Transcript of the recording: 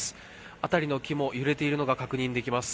辺りの木も揺れているのが確認できます。